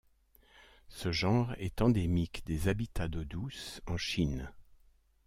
Ce genre est endémique des habitats d'eau douce en Chine.